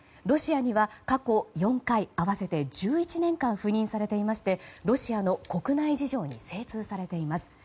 ロシアには、過去４回合わせて１１年間赴任されていましてロシアの国内事情に精通されています。